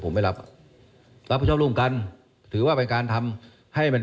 ผมไม่ลาเพราะผู้ชอบเรื่องรุ่งกันถือว่าเป็นการทำให้มัน